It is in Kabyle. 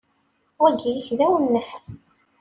Wagi yak d awennet.